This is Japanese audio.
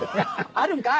あるんかい。